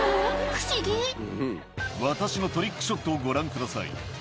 不思議「私のトリックショットをご覧ください」